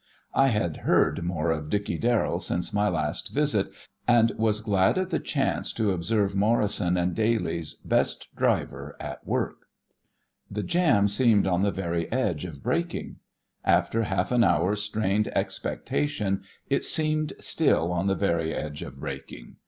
I had heard more of Dickey Darrell since my last visit, and was glad of the chance to observe Morrison & Daly's best "driver" at work. The jam seemed on the very edge of breaking. After half an hour's strained expectation it seemed still on the very edge of breaking.